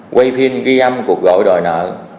ba quay phim ghi âm cuộc gọi đòi nợ